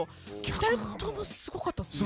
２人ともすごかったっすね。